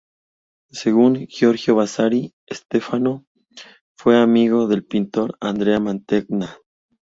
Según Giorgio Vasari, Stefano, fue amigo del pintor Andrea Mantegna.